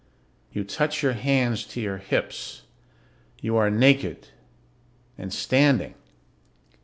You touch your hands to your hips. You are naked. And standing.